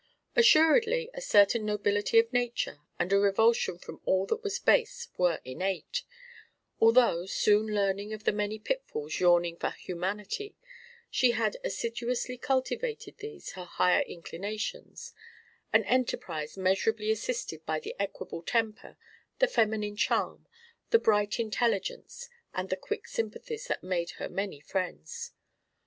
Assuredly a certain nobility of nature and a revulsion from all that was base were innate; although, soon learning of the many pitfalls yawning for humanity, she had assiduously cultivated these her higher inclinations, an enterprise measurably assisted by the equable temper, the feminine charm, the bright intelligence and the quick sympathies that made her many friends.